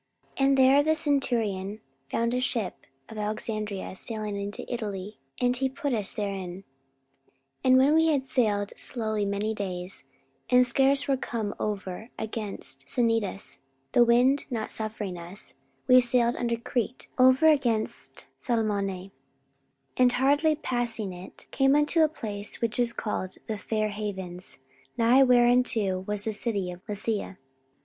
44:027:006 And there the centurion found a ship of Alexandria sailing into Italy; and he put us therein. 44:027:007 And when we had sailed slowly many days, and scarce were come over against Cnidus, the wind not suffering us, we sailed under Crete, over against Salmone; 44:027:008 And, hardly passing it, came unto a place which is called The fair havens; nigh whereunto was the city of Lasea.